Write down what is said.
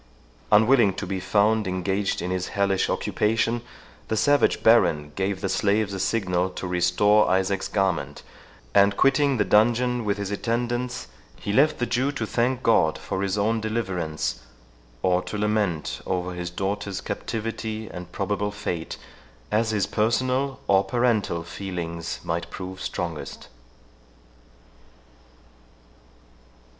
Unwilling to be found engaged in his hellish occupation, the savage Baron gave the slaves a signal to restore Isaac's garment, and, quitting the dungeon with his attendants, he left the Jew to thank God for his own deliverance, or to lament over his daughter's captivity, and probable fate, as his personal or parental feelings might prove strongest.